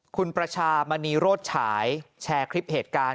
คุณประชามณีโรดฉายแชร์คลิปเหตุการณ์